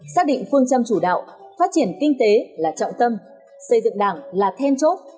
xác định phương châm chủ đạo phát triển kinh tế là trọng tâm xây dựng đảng là then chốt